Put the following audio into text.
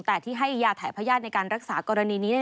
แต่ที่ให้ยาถ่ายพญาติในการรักษากรณีนี้